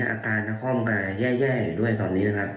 อาการนครบานแย่อยู่ด้วยตอนนี้นะครับ